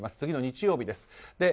次の日曜日です。